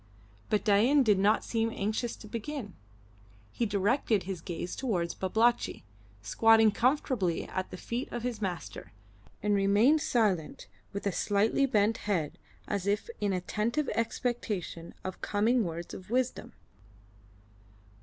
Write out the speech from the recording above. But Dain did not seem anxious to begin. He directed his gaze towards Babalatchi, squatting comfortably at the feet of his master, and remained silent with a slightly bent head as if in attentive expectation of coming words of wisdom.